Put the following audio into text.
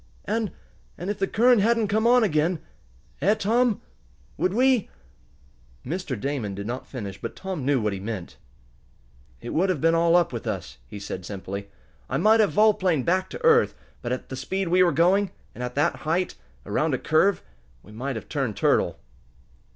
"And and if the current hadn't come on again; eh, Tom? Would we ?" Mr. Damon did not finish, but Tom knew what he meant. "It would have been all up with us," he said simply. "I might have volplaned back to earth, but at the speed we were going, and at the height, around a curve, we might have turned turtle."